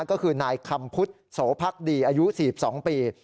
ก็คือนายคำพุทธโสพักดีอายุ๔๒ปี